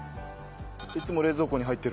いつも冷蔵庫に入ってる？